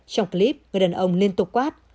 trong clip người đàn ông liên tục quát